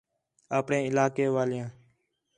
اپݨے علاقے والیاں